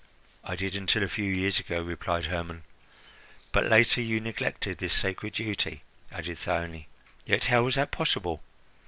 "I did until a few years ago," replied Hermon. "But later you neglected this sacred duty," added Thyone. "Yet how was that possible?